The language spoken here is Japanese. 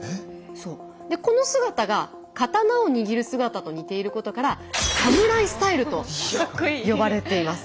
でこの姿が刀を握る姿と似ていることから「サムライスタイル」と呼ばれています。